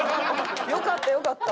よかったよかった。